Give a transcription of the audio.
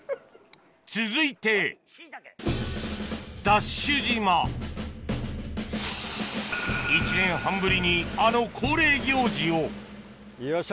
続いてＤＡＳＨ島１年半ぶりにあの恒例行事をよっしゃ。